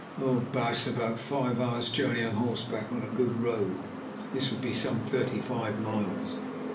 "Oh, baas, about five hours' journey on horseback on a good road." (This would be some thirty five miles.)